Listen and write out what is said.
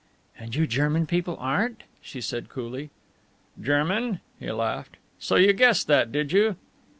"And you German people aren't," she said coolly. "German?" he laughed. "So you guessed that, did you?"